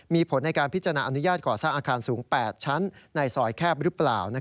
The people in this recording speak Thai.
มีผลในการพิจารณาอนุญาตก่อสร้างอาคารสูง๘ชั้นในซอยแคบหรือเปล่า